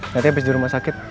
nanti abis di rumah sakit